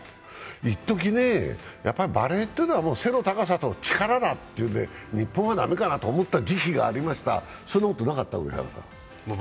いっとき、やはりバレーというのは背の高さと力だというので日本は駄目かなって思った時期がありましたが、そんなことはないですか。